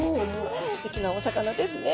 すてきなお魚ですね。